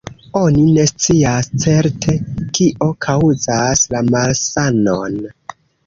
Oni ne scias certe, kio kaŭzas la malsanon.